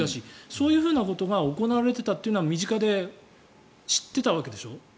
そういうふうなことが行われていたのは身近で知っていたわけでしょ。